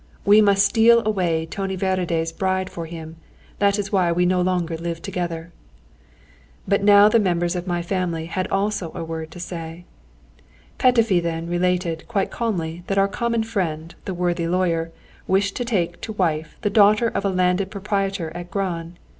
We must steal away Tony Várady's bride for him. That is why we no longer live together." But now the members of my family had also a word to say. Petöfi then related, quite calmly, that our common friend, the worthy lawyer, wished to take to wife the daughter of a landed proprietor at Gran.